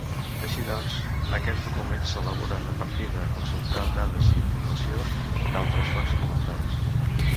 Així doncs aquests documents s'elaboren a partir de consultar dades i informació d'altres fonts documentals.